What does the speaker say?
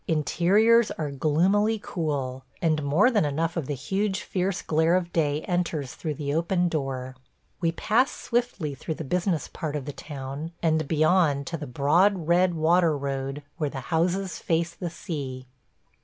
Interiors are gloomily cool, and more than enough of the huge fierce glare of day enters through the open door. We pass swiftly through the business part of the town, and beyond to the broad red water road where the houses face the sea.